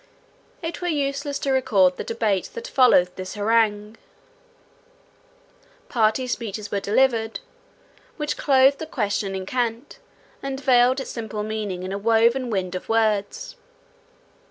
It were useless to record the debate that followed this harangue. Party speeches were delivered, which clothed the question in cant, and veiled its simple meaning in a woven wind of words.